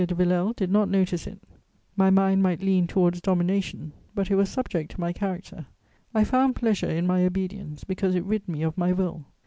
de Villèle did not notice it: my mind might lean towards domination, but it was subject to my character; I found pleasure in my obedience, because it rid me of my will.